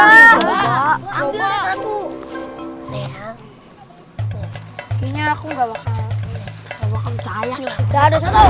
aku juga satu oke mampuinya aku gua kan kayak ada sangat